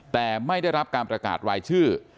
แต่ไม่ได้รับการประกาศรายชื่อ